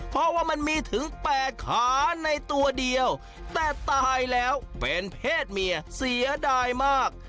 เพราะว่ามันมีถึง๘ขาในตัวเดียวแต่ตายแล้วเป็นเพศเมียเสียดายมาก